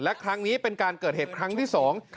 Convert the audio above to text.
และครั้งนี้เป็นการเกิดเหตุครั้งที่สอง